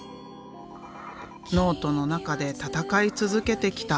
ノートの中で戦い続けてきた。